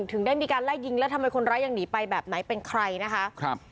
ถึงได้มีการไล่ยิงแล้วทำไมคนร้ายยังหนีไปแบบไหนเป็นใครนะคะครับ